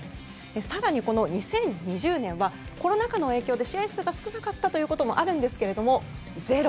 更に、２０２０年はコロナ禍の影響で試合数が少なかったこともあるんですけどゼロ。